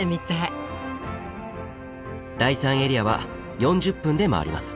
第３エリアは４０分でまわります。